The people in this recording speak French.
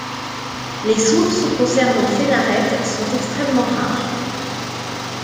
Les sources concernant Phénarète sont extrêmement rares.